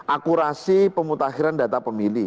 akurasi pemutakhiran data pemilih